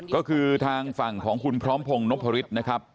ก็คือทางฝั่งของคุณพร้อมพงศ์นพฤษนะครับ